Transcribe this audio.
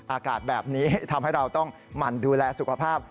อากาศแบบนี้ทำให้เราต้องหมั่นดูแลสุขภาพ